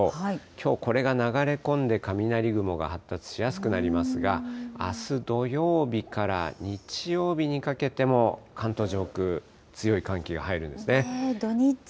きょう、これが流れ込んで、雷雲が発達しやすくなりますが、あす土曜日から日曜日にかけても、関東上空、強い寒気が入るんですね。